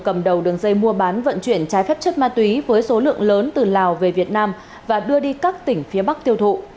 cầm đầu đường dây mua bán vận chuyển trái phép chất ma túy với số lượng lớn từ lào về việt nam và đưa đi các tỉnh phía bắc tiêu thụ